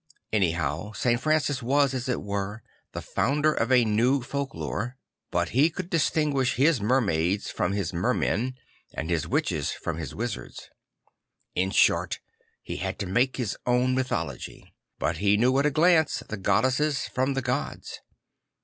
Anyhow St Francis was, as it \vere, the founder of a new folk lore; but he could distinguish his mermaids from his mermen and his witches from his wizards. In short, he had to make his own mythology; but he knew at a glance the goddesses from the gods.